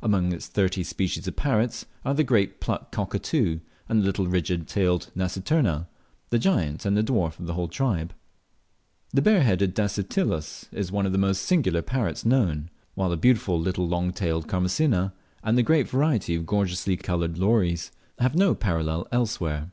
Among its thirty species of parrots are the Great Pluck Cockatoo, and the little rigid tailed Nasiterna, the giant and the dwarf of the whole tribe. The bare headed Dasyptilus is one of the most singular parrots known; while the beautiful little long tailed Charmosyna, and the great variety of gorgeously coloured lories, have no parallels elsewhere.